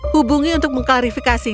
hubungi untuk mengklarifikasi